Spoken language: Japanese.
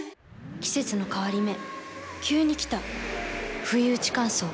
季節の変わり目急に来たふいうち乾燥。